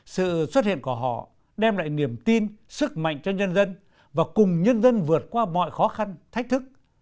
sự xuất hiện của họ đem lại niềm tin sức mạnh cho nhân dân và cùng nhân dân vượt qua mọi khó khăn thách thức